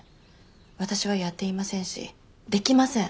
私はやっていませんしできません。